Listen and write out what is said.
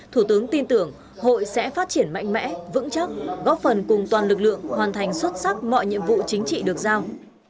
thủ tướng tin tưởng hội sẽ phát triển mạnh mẽ vững chắc góp phần cùng toàn lực lượng hoàn thành xuất sắc mọi nhiệm vụ chính trị được giao